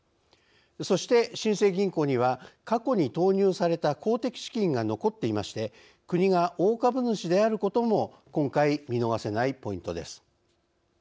そして、新生銀行には過去に投入された公的資金が残っていまして国が大株主であることも今回、見逃せないポイントです。